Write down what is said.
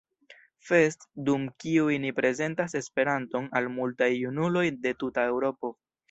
Fest, dum kiuj ni prezentas Esperanton al multaj junuloj de tuta Eŭropo.